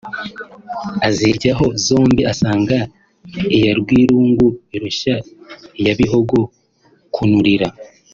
Aziryaho zombi asanga iya Rwirungu irusha iya Bihogo kunurira